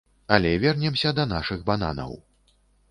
Але вернемся да нашых бананаў.